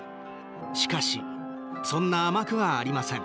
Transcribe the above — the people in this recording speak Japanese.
しかし、そんな甘くはありません。